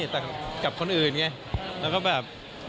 แต่กับคนอื่นไงแล้วก็แบบ